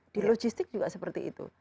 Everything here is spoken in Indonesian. di logistik juga seperti itu